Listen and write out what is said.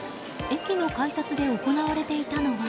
駅の改札で行われていたのは。